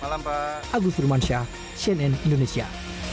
agus rumansyah cnn indonesia